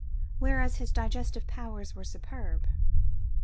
Whereas his digestive powers were superb....